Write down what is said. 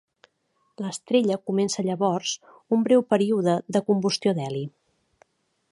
L'estrella comença llavors un breu període de combustió d'heli.